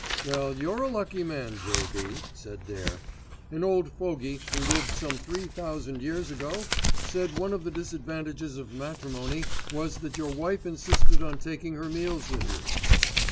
"Well, you're a lucky man, J.B.," said Dare. "An old fogey who lived some three thousand years ago said one of the disadvantages of matrimony was that your wife insisted on taking her meals with you."